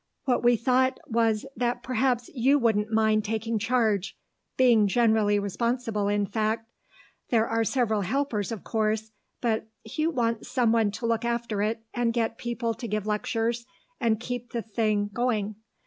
What we thought was that perhaps you wouldn't mind taking charge, being generally responsible, in fact. There are several helpers, of course, but Hugh wants someone to see after it and get people to give lectures and keep the thing going.